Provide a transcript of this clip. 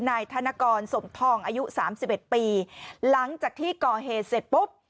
นายธนกรสมทองอายุ๓๑ปีหลังจากที่ก่อเหตุเสร็จปุ๊บ